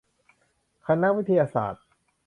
คณะวิทยาศาสตร์